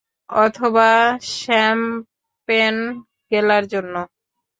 অথবা, শ্যাম্পেন গেলার জন্য।